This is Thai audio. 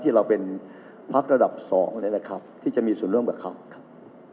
ที่เราเป็นพักระดับสองเลยแหละครับที่จะมีส่วนเรื่องกับเขาครับ